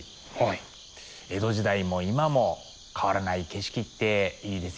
江戸時代も今も変わらない景色っていいですよね。